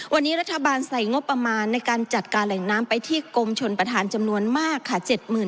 วันนี้รัฐบาลใส่งบประมาณในการจัดการแหล่งน้ำไปที่กรมชนประธานจำนวนมากค่ะ